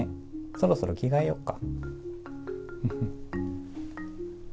そろそろ着替えようか。